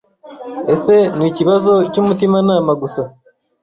Ese ni ikibazo cy'umutimanama gusa